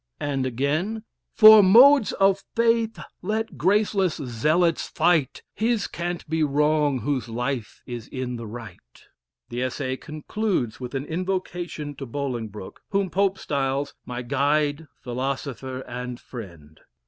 And again "For modes of faith let graceless zealots fight, His can't be wrong whose life is in the right." The Essay concludes with an invocation to Bolingbroke whom Pope styles, "my guide, philosopher, and friend."